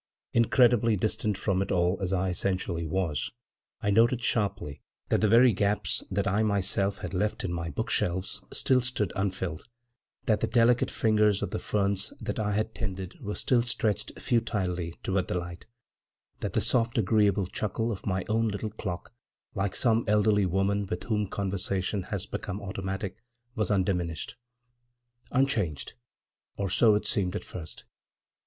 Incredibly distant from it all as I essentially was. I noted sharply that the very gaps that I myself had left in my bookshelves still stood unfilled; that the delicate fingers of the ferns that I had tended were still stretched futilely toward the light; that the soft agreeable chuckle of my own little clock, like some elderly woman with whom conversation has become automatic, was undiminished. Unchanged—or so it seemed at first.